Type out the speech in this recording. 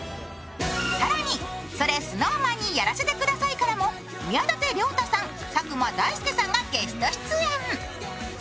更に、「それＳｎｏｗＭａｎにやらせて下さい」からも宮舘涼太さん、佐久間大介さんがゲスト出演。